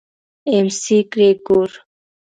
اېم سي ګرېګور.